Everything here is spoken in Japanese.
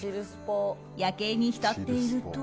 夜景に浸っていると。